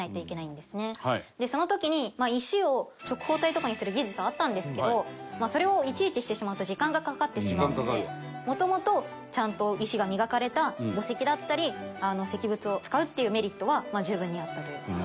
その時に石を直方体とかにする技術はあったんですけどそれをいちいちしてしまうと時間がかかってしまうのでもともとちゃんと石が磨かれた墓石だったり石仏を使うっていうメリットは十分にあったと。